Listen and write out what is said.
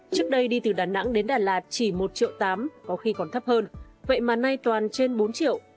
trước đây đi từ đà nẵng đến đà lạt chỉ một triệu tám có khi còn thấp hơn vậy mà nay toàn trên bốn triệu